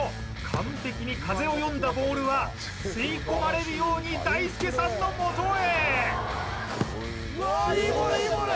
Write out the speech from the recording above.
完璧に風を読んだボールは吸い込まれるように大輔さんの元へうわいいボール